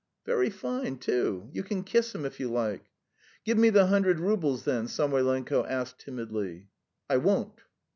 "Very fine, too. You can kiss him if you like." "Give me the hundred roubles, then," Samoylenko asked timidly. "I won't."